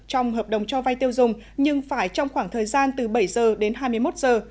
trong hợp đồng cho vay tiêu dùng nhưng phải trong khoảng thời gian từ bảy giờ đến hai mươi một giờ